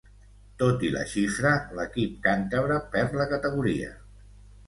Tot i la xifra, l'equip càntabre perd la categoria.